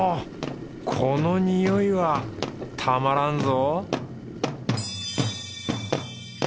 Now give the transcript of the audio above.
この匂いはたまらんぞ